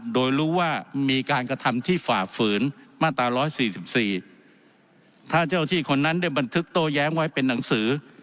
โดยรู้ว่ามีการกระทำที่ฝ่าฝืนมาตรา๑๔๔ถ้าเจ้าที่คนนั้นได้บันทึกโต้แย้งไว้เป็นหนังสือ